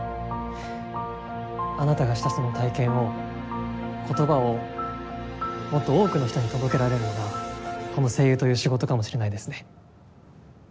あなたがしたその体験を言葉をもっと多くの人に届けられるのがこの声優という仕事かもしれないですね。